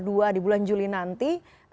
di bulan juli nanti